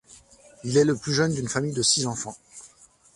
Il est le plus jeune d'une famille de six enfants.